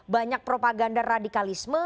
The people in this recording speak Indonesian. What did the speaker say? banyak propaganda radikalisme